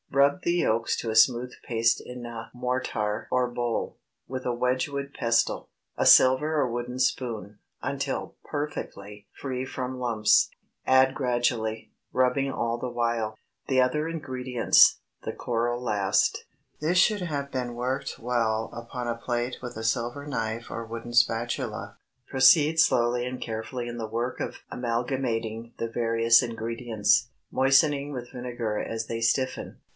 Rub the yolks to a smooth paste in a mortar or bowl, with a Wedgewood pestle, a silver or wooden spoon, until perfectly free from lumps. Add gradually, rubbing all the while, the other ingredients, the coral last. This should have been worked well upon a plate with a silver knife or wooden spatula. Proceed slowly and carefully in the work of amalgamating the various ingredients, moistening with vinegar as they stiffen.